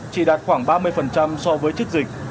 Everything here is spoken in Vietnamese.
chỉ đạt khoảng ba mươi so với chức dịch